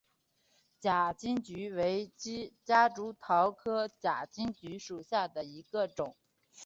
假金桔为夹竹桃科假金桔属下的一个种。